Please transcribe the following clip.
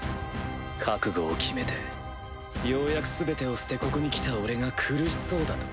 覚悟を決めてようやくすべてを捨てここに来た俺が苦しそうだと？